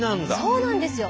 そうなんですよ。